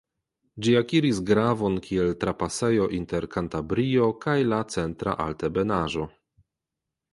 Ĝi akiris gravon kiel trapasejo inter Kantabrio kaj la Centra Altebenaĵo.